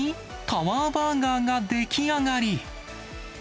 タワーバーガーが出来上がり。